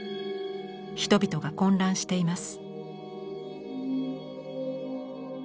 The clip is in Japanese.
人々が混乱しています。